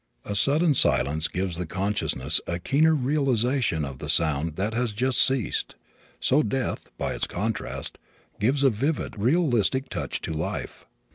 As sudden silence gives the consciousness a keener realization of the sound that has just ceased, so death, by its contrast, gives a vivid, realistic touch to life.